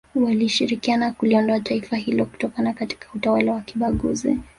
walishirikiana kuliondoa taifa hilo kutoka katika utawala wa kibaguzi